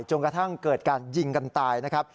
จนกระทั่งเกิดการยิงกันตายนะครับ